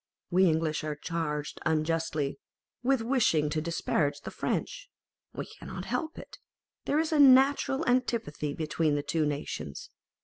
We English are charged unjustly with wishing to disparage the French : we cannot help it ; there is a natural antipathy between the two nations.